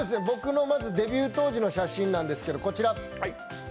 僕のデビュー当時の写真なんですけど、こちら。